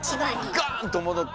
ガーン！と戻って。